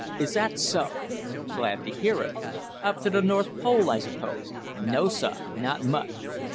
Is that so? Glad to hear it. Up to the North Pole I suppose?" "No, sah; not much!